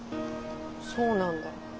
そうなんだ。